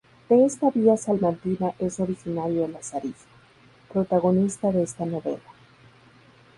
De esta villa salmantina es originario el Lazarillo, protagonista de esta novela.